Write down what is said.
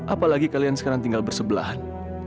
apalagi kalian sekarang tinggal bersebelahan